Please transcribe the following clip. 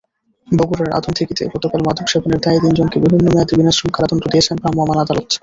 বগুড়ার আদমদীঘিতে গতকাল মাদকসেবনের দায়ে তিনজনকে বিভিন্ন মেয়াদে বিনাশ্রম কারাদণ্ড দিয়েছেন ভ্রাম্যমাণ আদালত।